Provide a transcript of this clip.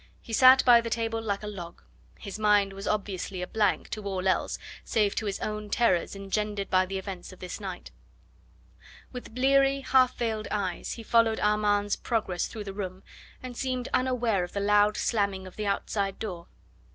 He sat by the table like a log; his mind was obviously a blank to all else save to his own terrors engendered by the events of this night. With bleary, half veiled eyes he followed Armand's progress through the room, and seemed unaware of the loud slamming of the outside door.